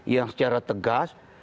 yang secara tegas